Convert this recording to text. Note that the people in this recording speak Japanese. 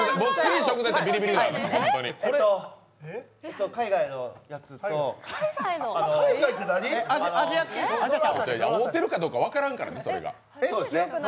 えっと海外のやつといや、合うてるかどうか分からんからね、それが。